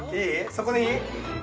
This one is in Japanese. そこでいい？